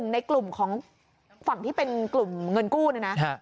ในกลุ่มของฝั่งที่เป็นกลุ่มเงินกู้เนี่ยนะ